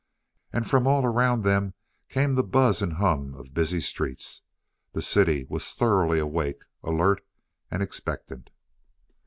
And from all around them came the buzz and hum of busy streets. The city was thoroughly awake alert and expectant.